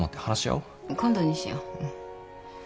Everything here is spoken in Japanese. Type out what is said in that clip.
今度にしよう。